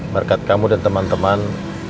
berkat kamu dan teman teman